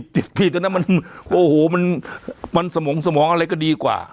๔๐ติดผิดแล้วน่ะโอ้โหมันสมองอะไรก็ดีกว่า